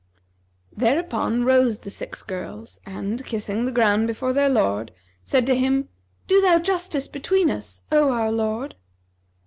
Thereupon rose the six girls and, kissing the ground before their lord, said to him, 'Do thou justice between us, O our lord!'